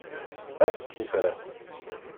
Af-d tifrat.